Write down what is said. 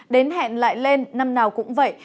đến hẹn lại lên năm nào cũng vậy